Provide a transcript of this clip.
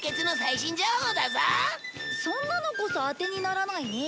そんなのこそ当てにならないね。